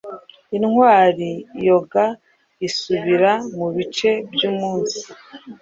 Intwari yoga isubira mubice byumunsi